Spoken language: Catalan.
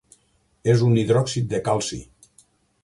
És un hidròxid de calci.